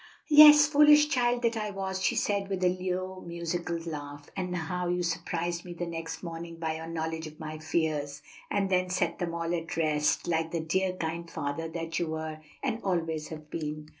"Yes, foolish child that I was!" she said, with a low musical laugh; "and how you surprised me the next morning by your knowledge of my fears, and then set them all at rest, like the dear, kind father that you were and always have been."